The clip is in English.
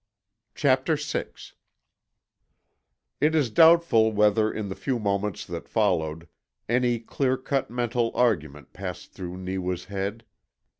CHAPTER SIX It is doubtful whether in the few moments that followed, any clear cut mental argument passed through Neewa's head.